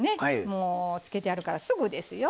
もうつけてあるからすぐですよ。